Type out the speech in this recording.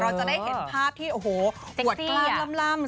เราจะได้เห็นภาพที่โอ้โหอวดเกลี้ยงล่ำ